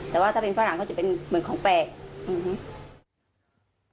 แต่ว่าถ้าเป็นฝรั่งก็จะเป็นเหมือนของแปลกอืม